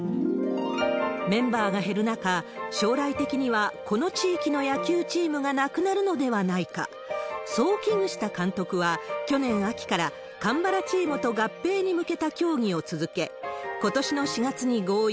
メンバーが減る中、将来的にはこの地域の野球チームがなくなるのではないか、そう危惧した監督は、去年秋から神原チームと合併に向けた協議を続け、ことしの４月に合意。